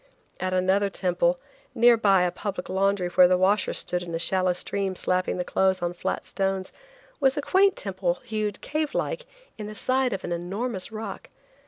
At another temple, near by a public laundry where the washers stood in a shallow stream slapping the clothes on flat stones, was a quaint temple hewed, cave like, in the side of an enormous rock.